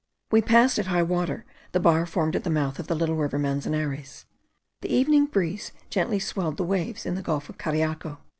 We passed at high water the bar formed at the mouth of the little river Manzanares. The evening breeze gently swelled the waves in the gulf of Cariaco.